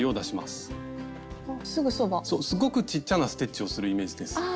すごくちっちゃなステッチをするイメージです。